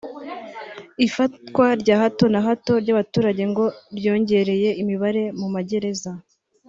Ifatwa rya hato na hato ry’abaturage ngo ryongereye imibare mu magereza